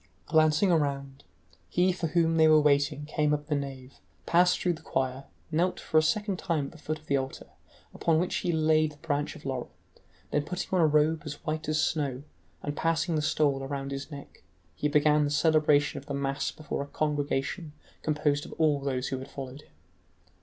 Glancing around, he for whom they were waiting came up the nave, passed through the choir, knelt for a second time at the foot of the altar, upon which he laid the branch of laurel, then putting on a robe as white as snow and passing the stole around his neck, he began the celebration of the mass before a congregation composed of all those who had followed him.